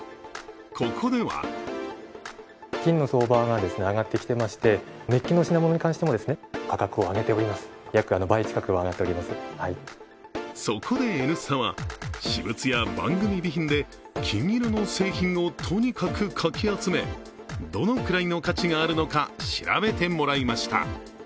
ここではそこで「Ｎスタ」は私物や番組備品で金色の製品をとにかくかき集め、どのくらいの価値があるのか調べてもらいました。